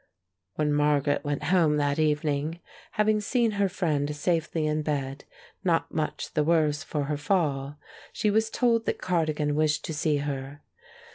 When Margaret went home that evening, having seen her friend safely in bed, not much the worse for her fall, she was told that Cardigan wished to see her.